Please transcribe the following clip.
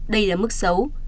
đây là mức xấu